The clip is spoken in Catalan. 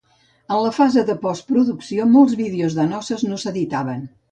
En la fase de postproducció, molts vídeos de noces no s'editaven.